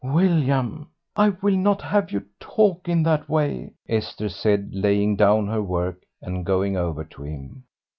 "William, I will not have you talk in that way," Esther said, laying down her work and going over to him.